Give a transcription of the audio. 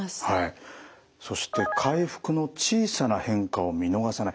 そして「回復の小さな変化を見逃さない」。